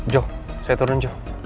juh saya turun juh